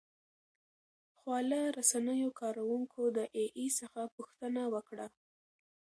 خواله رسنیو کاروونکو د اې ای څخه پوښتنه وکړه.